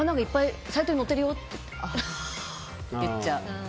サイトに載ってるよって言っちゃう。